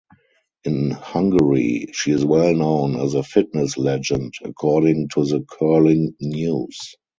In Hungary, she is well-known as a "fitness legend" according to The Curling News.